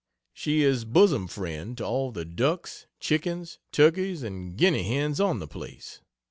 She is bosom friend to all the ducks, chickens, turkeys and guinea hens on the place.